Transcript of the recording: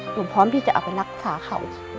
พร้อมที่จะเอาไปรักษาเขา